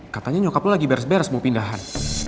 katanya nyokap lo lagi beres beres mau pindahan